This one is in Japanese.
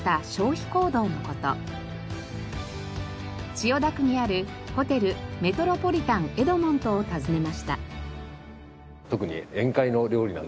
千代田区にあるホテルメトロポリタンエドモントを訪ねました。